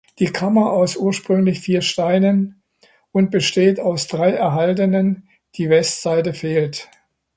Die Kammer aus ursprünglich vier Steinen und besteht aus drei erhaltenen (die Westseite fehlt).